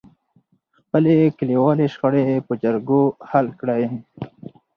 خپلې کليوالې شخړې په جرګو حل کړئ.